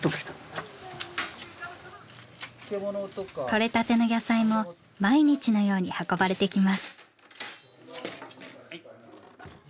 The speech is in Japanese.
とれたての野菜も毎日のように運ばれてきます。